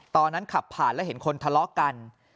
ตอนนั้นขับผ่านแล้วเห็นคนทะเลาะกัน